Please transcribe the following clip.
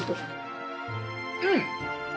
うん！